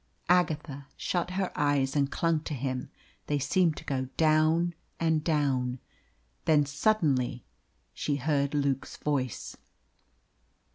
Agatha shut her eyes and clung to him. They seemed to go down and down. Then suddenly she heard Luke's voice.